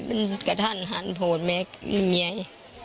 มันก็ท่านหันโพธแม้เมีย